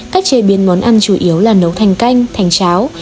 cách chế biến món ăn chủ yếu là nấu thành canh thành cháo